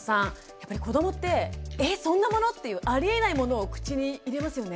やっぱり子どもって「えっそんなもの？」っていうありえないものを口に入れますよね？